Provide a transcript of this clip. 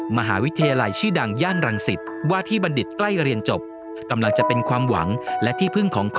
มหาวิทยาลัยชื่อดังย่านรังสิตว่าที่บัณฑิตใกล้เรียนจบกำลังจะเป็นความหวังและที่พึ่งของ